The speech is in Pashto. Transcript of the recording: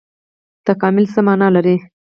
تکامل څه مانا لري؟